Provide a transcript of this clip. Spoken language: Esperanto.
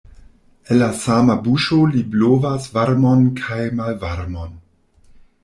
El la sama buŝo li blovas varmon kaj malvarmon.